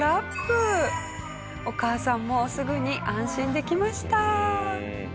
お母さんもすぐに安心できました。